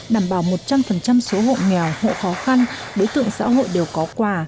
đảm bảo một trăm linh số hộ nghèo hộ khó khăn đối tượng xã hội đều có quà